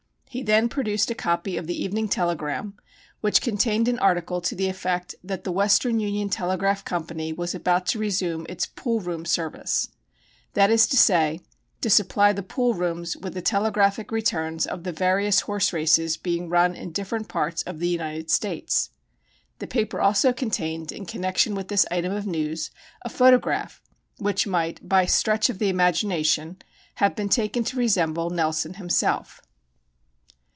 He then produced a copy of the Evening Telegram which contained an article to the effect that the Western Union Telegraph Company was about to resume its "pool room service," that is to say, to supply the pool rooms with the telegraphic returns of the various horse races being run in different parts of the United States. The paper also contained, in connection with this item of news, a photograph which might, by a stretch of the imagination, have been taken to resemble Nelson himself.